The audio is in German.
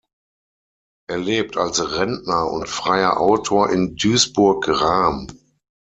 Er lebt als Rentner und Freier Autor in Duisburg-Rahm.